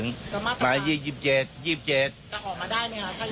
ออกมาได้ไหมครับ